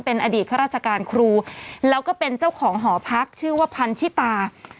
เป็นอดีตข้าราชการครูแล้วก็เป็นเจ้าของหอพักชื่อว่าพันธิตา